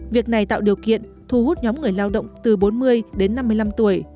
việc này tạo điều kiện thu hút nhóm người lao động từ bốn mươi đến năm mươi năm tuổi